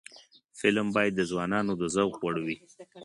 فلم باید د ځوانانو د ذوق وړ وي